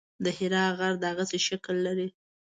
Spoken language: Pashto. د حرا غر دغسې شکل لري.